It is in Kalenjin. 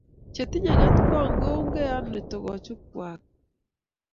Chetinye ngetkong kounge ano togochuk kwak?